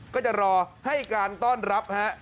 ก็จะรอให้การต้อนรับฮะ